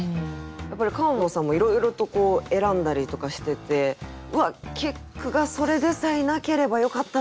やっぱり川野さんもいろいろと選んだりとかしててうわっ結句がそれでさえなければよかったのに！とか。